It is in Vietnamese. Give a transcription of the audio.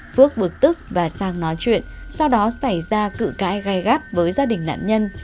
phước bực tức và sang nói chuyện sau đó xảy ra cự cãi gai gắt với gia đình nạn nhân